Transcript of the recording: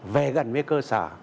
về gần với cơ sở